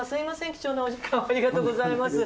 貴重なお時間をありがとうございます。